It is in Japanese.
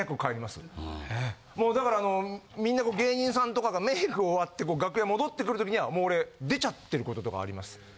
もうだからあのみんなが芸人さんとかがメイク終わって楽屋戻ってくる時にはもう俺出ちゃってる事とかあります。